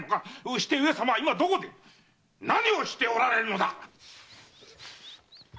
して上様は今どこで何をしておられるのだ？